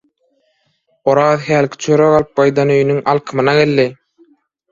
Oraz hälki çörek alyp gaýdan öýüniň alkymyna geldi.